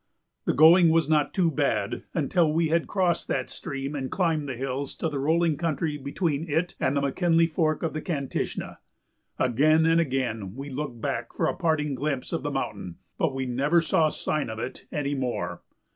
The going was not too bad until we had crossed that stream and climbed the hills to the rolling country between it and the McKinley Fork of the Kantishna. Again and again we looked back for a parting glimpse of the mountain, but we never saw sign of it any more.